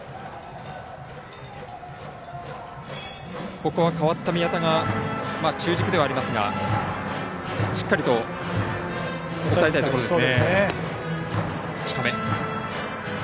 ここは、代わった宮田が中軸ではありますがしっかりと抑えたいところですね。